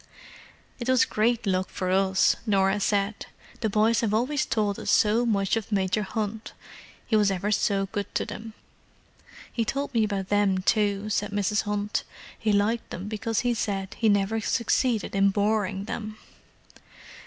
"It was great luck for us," Norah said. "The boys have always told us so much of Major Hunt. He was ever so good to them." "He told me about them, too," said Mrs. Hunt. "He liked them because he said he never succeeded in boring them!"